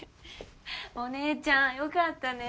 お姉ちゃんよかったね。